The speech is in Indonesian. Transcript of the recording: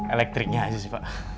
elektriknya aja sih pak